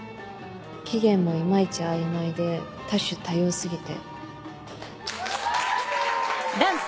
起源もいまいち曖昧で多種多様過ぎて